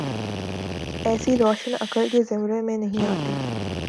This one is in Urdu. ایسی روش عقل کے زمرے میں نہیںآتی۔